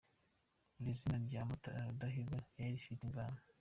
Buri zina rya Mutara Rudahigwa ryari rifite imvano.